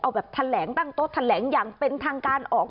เอาแบบทันแหลงตั้งต้นทันแหลงอย่างเป็นทางการออก